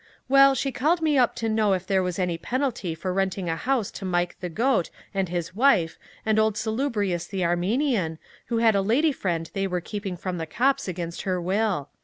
"Well, she called me up to know if there was any penalty for renting a house to Mike the Goat and his wife and old Salubrious the Armenian, who had a lady friend they were keeping from the cops against her will.